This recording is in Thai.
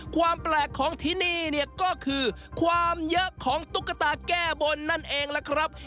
ความแปลกของที่นี่เนี่ยก็คือความเยอะของตุ๊กตาแก้บนนั่นเองล่ะครับ